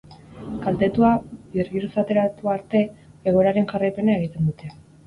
Kaltetua birgizarteratu arte, egoeraren jarraipena egiten dute.